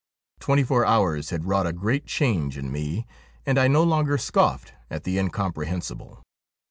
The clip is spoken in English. Twenty four hours had wrought a great change in me, and I no longer scoffed at the incompre hensible.